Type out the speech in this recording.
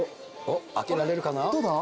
開けられるかな？